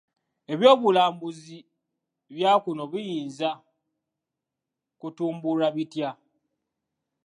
Eby'obulambuzi bwa kuno biyinza kutumbulwa bitya?